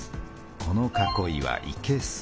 この囲いはいけす。